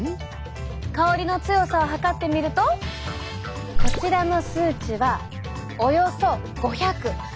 香りの強さを測ってみるとこちらの数値はおよそ５００。